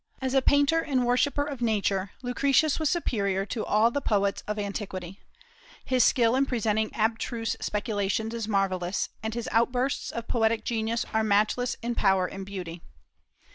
As a painter and worshipper of Nature, Lucretius was superior to all the poets of antiquity. His skill in presenting abstruse speculations is marvellous, and his outbursts of poetic genius are matchless in power and beauty.